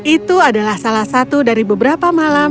itu adalah salah satu dari beberapa malam yang saya lakukan